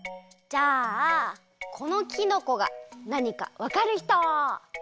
じゃあこのきのこがなにかわかるひと？